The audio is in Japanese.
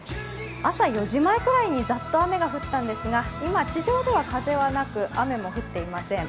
朝４時前ぐらいからざっと雨が降ったんですが今、地上では風もなく、雨も降っていません。